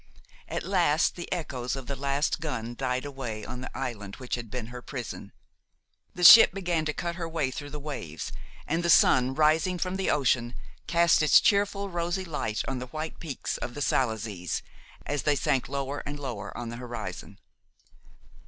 At last the echoes of the last gun died away on the island which had been her prison. The ship began to cut her way through the waves, and the sun, rising from the ocean, cast its cheerful, rosy light on the white peaks of the Salazes as they sank lower and lower on the horizon.